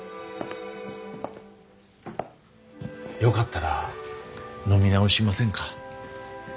よかったら飲み直しませんか？